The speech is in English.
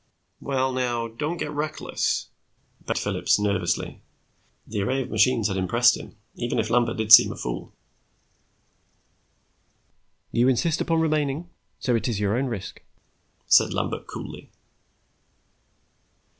"Well, now, don't get reckless," begged Phillips nervously. The array of machines had impressed him, even if Lambert did seem a fool. "You insist upon remaining, so it is your own risk," said Lambert coolly.